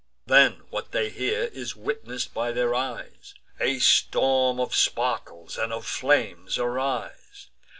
Then, what they hear, is witness'd by their eyes: A storm of sparkles and of flames arise.